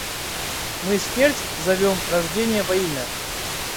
Мы смерть зовем рожденья во имя.